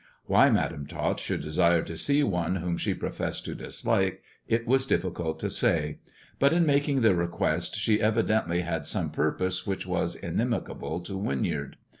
Why Madam Tot should desire to see one whom she professed to dislike it was difficult to say; but in making the request she evidently had some purpose which was inimical to Winyard.